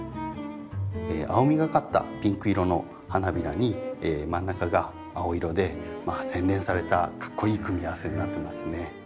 青みがかったピンク色の花びらに真ん中が青色で洗練されたかっこいい組み合わせになってますね。